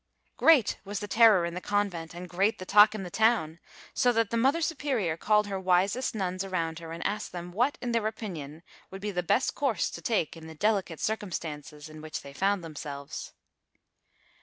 Great was the terror in the convent, and great the talk in the town, so that the mother superior called her wisest, nuns around her and asked them what, in their opinion, would be the best course to take in the delicate circumstances in which they found themselves.